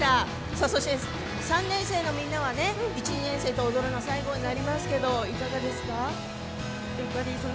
そして３年生のみんなは１、２年生と踊るの最後になりますけどいかがですか？